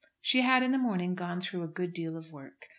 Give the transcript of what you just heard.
She had in the morning gone through a good deal of work.